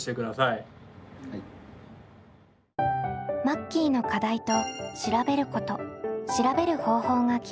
マッキーの課題と調べること調べる方法が決まりました。